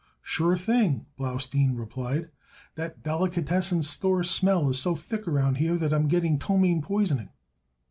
"Sure thing," Blaustein replied. "That delicatessen store smell is so thick around here that I'm getting ptomaine poisoning."